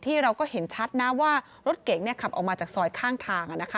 เราก็เห็นชัดนะว่ารถเก๋งขับออกมาจากซอยข้างทาง